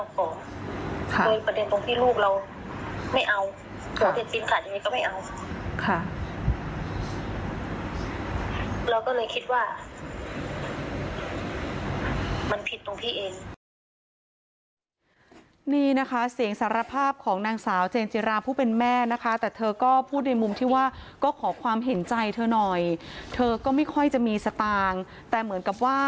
ก็ไปขอหล้องเขาแล้วตอนนี้เราจะไม่เอาของ